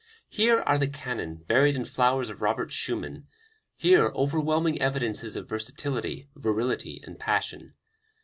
Here are the cannon buried in flowers of Robert Schumann, here overwhelming evidences of versatility, virility and passion.